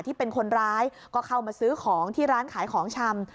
ที่เป็นคนร้ายก็เข้ามาซื้อของที่ร้านขายของชำ